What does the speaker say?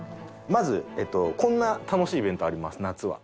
まずこんな楽しいイベントあります夏は。